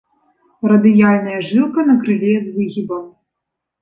Радыяльная жылка на крыле з выгібам.